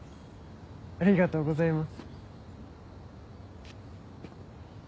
ありがとうございます。